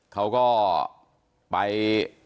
เขาก็ไป